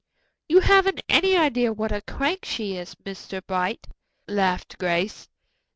"You haven't any idea what a crank she is, Mr. Bright," laughed Grace.